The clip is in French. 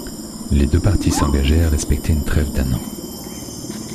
Les deux parties s’engageaient à respecter une trêve d’un an.